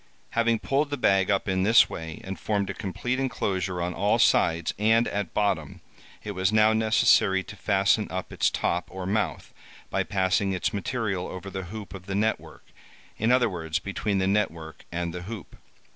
Having pulled the bag up in this way, and formed a complete enclosure on all sides, and at bottom, it was now necessary to fasten up its top or mouth, by passing its material over the hoop of the net work—in other words, between the net work and the hoop.